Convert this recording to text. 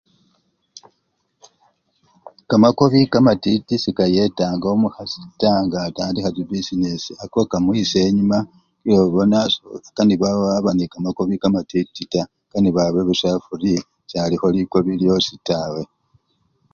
Kamakobi kamatiti sekayetanga omukhasi taa nga katandikha chibisinesi ako kamwisya enyuma sikila obona si! sekanibwa waba nende kamakobi kamatiti taa, akanibwa abe busa frii, salikho likobi lyosi tawe.